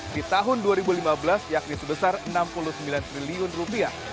di tahun dua ribu lima belas yakni sebesar enam puluh sembilan triliun rupiah